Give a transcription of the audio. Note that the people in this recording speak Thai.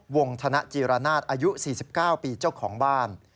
งธนจีรนาศอายุ๔๙ปีเจ้าของบ้าน